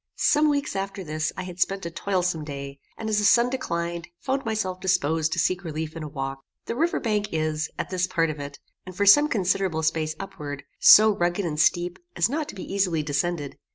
Some weeks after this I had spent a toilsome day, and, as the sun declined, found myself disposed to seek relief in a walk. The river bank is, at this part of it, and for some considerable space upward, so rugged and steep as not to be easily descended.